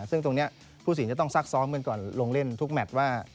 ซึ่งตรงนี้ผู้สินจะต้องซักซ้อมกันก่อนลงเล่นทุกแมทว่า